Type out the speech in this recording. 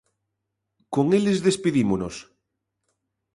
Con eles despedímonos.